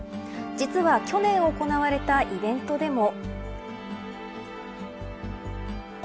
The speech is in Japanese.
実は去年行われたイベントでも。